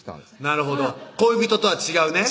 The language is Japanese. なるほど恋人とは違うね